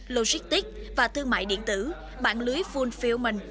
logistic và thương mại điện tử bản lưới fulfillment